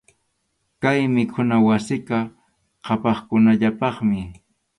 Kay mikhuna wasiqa qhapaqkunallapaqmi.